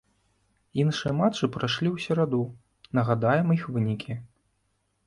Іншыя матчы прайшлі ў сераду, нагадаем іх вынікі.